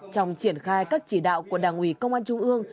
trong triển khai các chỉ đạo của đảng ủy công an trung ương